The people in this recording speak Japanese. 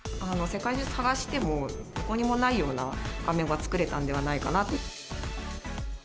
世界中探しても、どこにもないようなあめが作れたんではないかなと。